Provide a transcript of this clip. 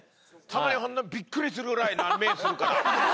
たまに本当びっくりするぐらいな目するから。